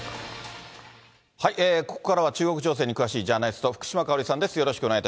ここからは中国情勢に詳しいジャーナリスト、福島香織さんです。